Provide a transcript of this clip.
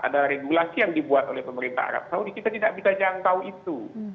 ada regulasi yang dibuat oleh pemerintah arab saudi kita tidak bisa jangkau itu